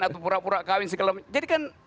atau pura pura kawin segala macam jadi kan